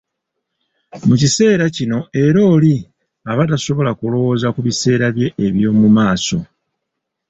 Mu kiseera kino era oli aba tasobola kulowooza ku biseera bye eby'omu maaso.